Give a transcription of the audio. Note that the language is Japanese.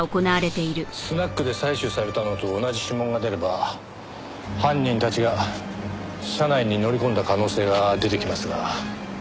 スナックで採取されたのと同じ指紋が出れば犯人たちが車内に乗り込んだ可能性が出てきますが。